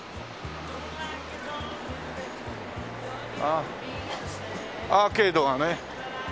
あっアーケードがね。